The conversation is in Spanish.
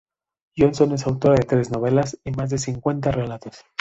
Johnson es autora de tres novelas y más de cincuenta relatos.